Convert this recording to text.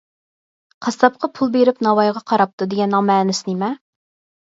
«قاسساپقا پۇل بېرىپ ناۋايغا قاراپتۇ» دېگەننىڭ مەنىسى نېمە؟